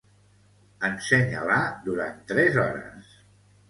Ensenya-la durant tres hores.